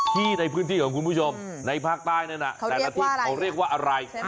ที่ในพื้นที่ของคุณผู้ชมในภาคใต้นั้นแต่ละที่เขาเรียกว่าอะไร